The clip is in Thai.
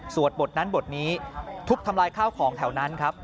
บทนั้นบทนี้ทุบทำลายข้าวของแถวนั้นครับ